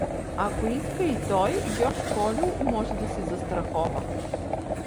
Ако иска и той, Гьоч Кольо, може да се застрахова.